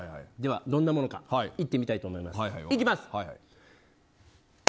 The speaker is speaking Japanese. どんなものかいってみたいと思います。